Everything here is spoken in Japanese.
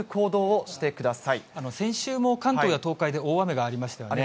先週も関東や東海で大雨がありましたよね。